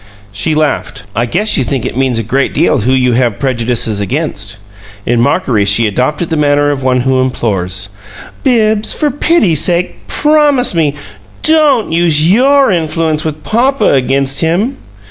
She laughed. "I guess you think it means a great deal who you have prejudices against!" In mockery she adopted the manner of one who implores. "Bibbs, for pity's sake PROMISE me, DON'T use YOUR influence with papa against him!"